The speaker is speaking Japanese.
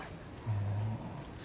うん。